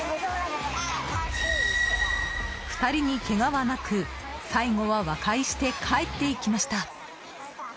２人にけがはなく、最後は和解して帰っていきました。